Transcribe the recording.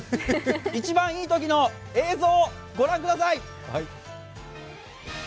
一番いいときの映像、ご覧ください。